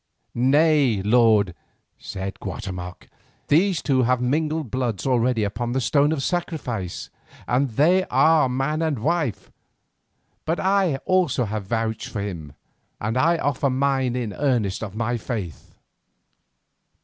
"Nay, lord," said Guatemoc, "these two have mingled bloods already upon the stone of sacrifice, and they are man and wife. But I also have vouched for him, and I offer mine in earnest of my faith."